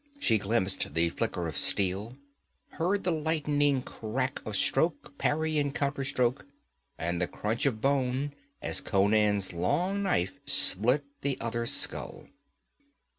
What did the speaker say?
She glimpsed the flicker of steel, heard the lightning crack of stroke, parry and counter stroke, and the crunch of bone as Conan's long knife split the other's skull.